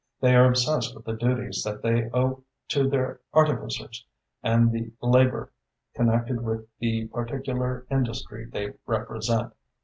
They are obsessed with the duties that they owe to their own artificers and the labour connected with the particular industry they represent.